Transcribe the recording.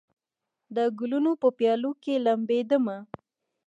د ګلونو په پیالو کې لمبېدمه